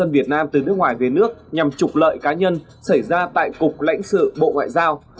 việt nam từ nước ngoài về nước nhằm trục lợi cá nhân xảy ra tại cục lãnh sự bộ ngoại giao